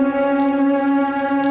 kamu mana tep